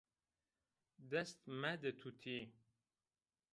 Dest mede tutî!